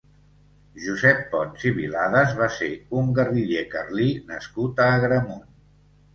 Josep Pons i Viladas va ser un guerriller carlí nascut a Agramunt.